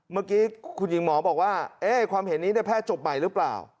เมื่อกี้คุณหญิงหมอบอกว่าความเห็นนี้แพทย์จบใหม่หรือเปล่า